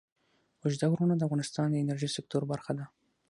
اوږده غرونه د افغانستان د انرژۍ سکتور برخه ده.